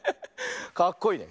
かっこいいね。